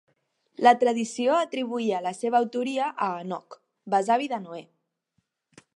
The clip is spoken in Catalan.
La tradició atribuïa la seva autoria a Henoc, besavi de Noè.